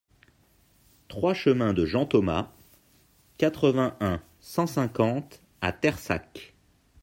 trois chemin de Jean Thomas, quatre-vingt-un, cent cinquante à Terssac